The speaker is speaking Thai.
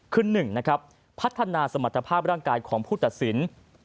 คือ๑นะครับพัฒนาสมรรถภาพร่างกายของผู้ตัดสิน